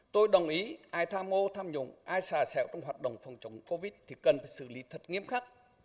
tôi đồng ý ai tham mô tham dụng ai xả xẻo trong hoạt động phòng chống covid thì cần phải xử lý thật nghiêm khắc